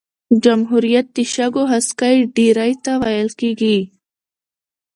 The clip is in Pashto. جمهوریت د شګو هسکی ډېرۍ ته ویل کیږي.